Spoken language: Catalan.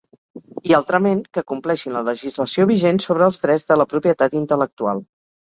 I altrament, que compleixin la legislació vigent sobre els drets de la propietat intel·lectual.